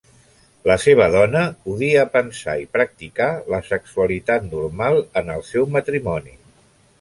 La seva dona odia pensar i practicar la sexualitat normal en el seu matrimoni.